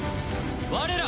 我ら